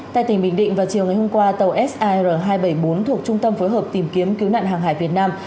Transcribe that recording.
tại tỉnh bình định vào chiều ngày hôm qua tàu sir hai trăm bảy mươi bốn thuộc trung tâm phối hợp tìm kiếm cứu nạn hàng hải việt nam